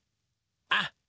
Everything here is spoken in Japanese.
あっ！